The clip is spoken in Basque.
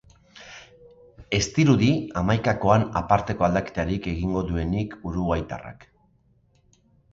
Ez dirudi hamaikakoan aparteko aldaketarik egingo duenik uruguaitarrak.